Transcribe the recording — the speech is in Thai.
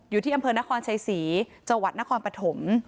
อยู่ที่อำเภอนครชัยศรีจังหวัดนครปฐม